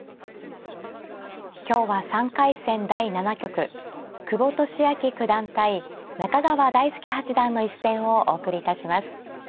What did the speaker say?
今日は３回戦第７局久保利明九段対中川大輔八段の一戦をお送りいたします。